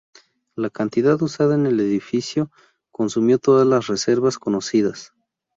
La cantidad usada en el edificio consumió todas las reservas conocidas.